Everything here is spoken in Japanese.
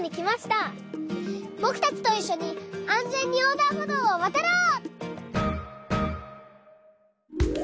ぼくたちといっしょにあんぜんにおうだんほどうをわたろう！